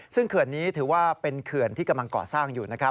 ซึ่งเขื่อนนี้ถือว่าเป็นเขื่อนที่กำลังก่อสร้างอยู่นะครับ